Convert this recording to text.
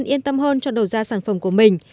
người dân yên tâm hơn cho đầu gia sản phẩm của mình